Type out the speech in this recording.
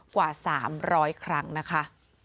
กว่า๓๐๐ครั้งนะคะ